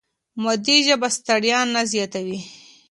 مادي ژبه ستړیا نه زیاتوي.